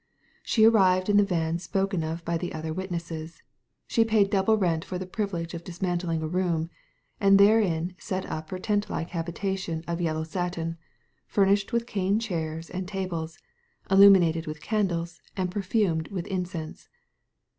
She arrived in the van spoken of by the other witnesses ; she paid double rent for the privilege of dismantling a room, and therein set up her tent like habitation of yellow satin, furnished with cane chairs and tables, illumi nated with candles, and perfumed with incense.